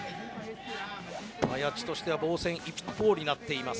矢地としては防戦一方になっています。